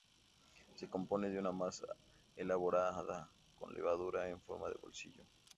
Se compone de una masa elaborada con levadura en forma de "bolsillo".